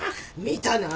見たな。